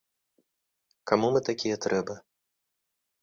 Каму мы такія трэба?